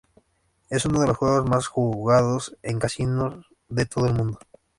Es uno de los juegos más jugados en casinos de todo el mundo.